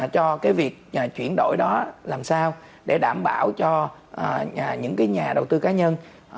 cho cái việc chuyển đổi đó làm sao để đảm bảo cho những nhà đầu tư cá nhân